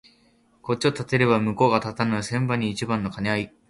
こっちを立てれば向こうが立たぬ千番に一番の兼合い